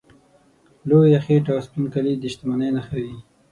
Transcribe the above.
لویه خېټه او سپین کالي د شتمنۍ نښې وې.